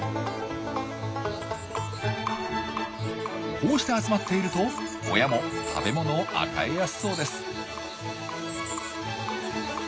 こうして集まっていると親も食べ物を与えやすそうです。